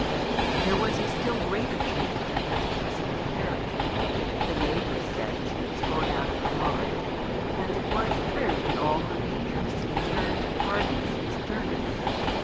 There was a still greater change in Miss Priscilla Parry. The neighbours said she was gone out of her mind; and it was true that all her nature seemed turned to hardness and sternness.